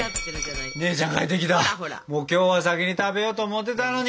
今日は先に食べようと思ってたのに。